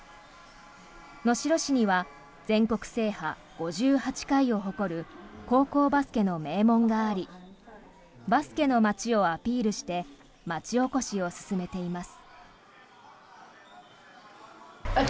能代市には全国制覇５８回を誇る高校バスケの名門がありバスケの街をアピールして町おこしを進めています。